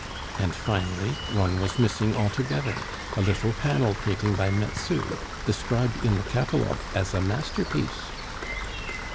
And finally, one was missing altogether, a little panel painting by Metzu, described in the catalogue as a masterpiece."